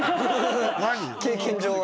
経験上は。